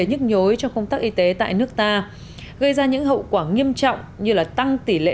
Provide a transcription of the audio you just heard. nhức nhối cho công tác y tế tại nước ta gây ra những hậu quả nghiêm trọng như tăng tỷ lệ